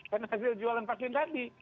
karena hasil jualan vaksin tadi